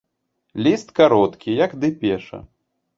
Ліст кароткі, як дэпеша.